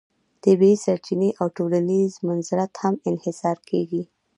طبیعي سرچینې او ټولنیز منزلت هم انحصار کیږي.